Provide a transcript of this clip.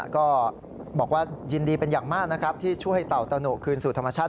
ก็บอกว่ายินดีเป็นอย่างมากนะครับที่ช่วยเต่าตะหนุคืนสู่ธรรมชาติ